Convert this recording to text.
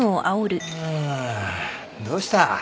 あどうした。